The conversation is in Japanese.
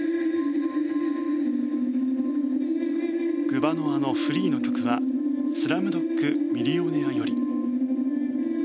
グバノワのフリーの曲は「スラムドッグ＄ミリオネア」より。